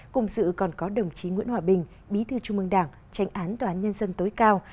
cùng dự còn có đồng chí nguyễn hòa bình bí thư trung mương đảng tránh án tòa án nhân dân tối cao